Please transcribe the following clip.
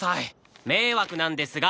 迷惑なんですが！